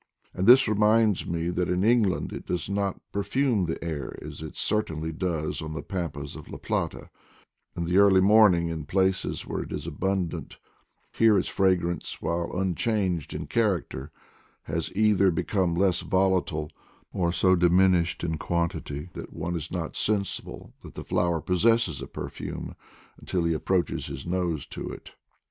And this reminds me that in England it does not per fume the air as it certainly does on the pampas of La Plata, in the early morning in places where it is abundant; here its fragrance, while unchanged in character, has either become less volatile or so diminished in quantity that one is not sensible that the flower possesses a perfume until he ap proaches his nose to it.